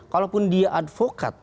kalaupun dia advokat